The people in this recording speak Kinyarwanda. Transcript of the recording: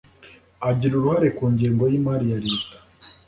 igira uruhare ku ngengo y'imari ya leta